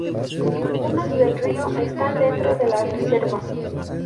Unos del río están dentro de la reserva.